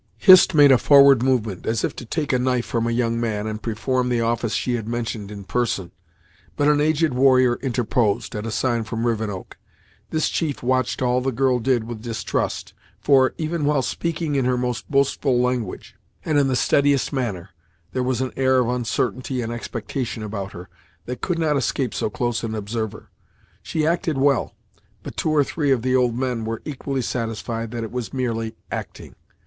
Hist made a forward movement, as if to take a knife from a young man, and perform the office she had mentioned in person, but an aged warrior interposed, at a sign from Rivenoak. This chief watched all the girl did with distrust, for, even while speaking in her most boastful language, and in the steadiest manner, there was an air of uncertainty and expectation about her, that could not escape so close an observer. She acted well; but two or three of the old men were equally satisfied that it was merely acting.